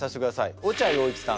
落合陽一さん。